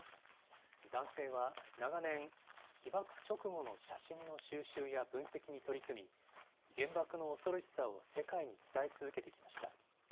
男性は長年、被爆直後の写真の収集や分析に取り組み、原爆の恐ろしさを世界に伝え続けてきました。